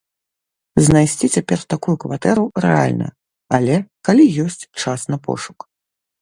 Знайсці цяпер такую кватэру рэальна, але, калі ёсць час на пошук.